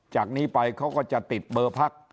จากนี้ไปเขาก็จะติดเบอร์พัก